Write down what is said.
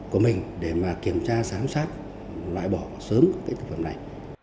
của mình để mà kiểm tra giám sát loại bỏ sớm cái thực phẩm này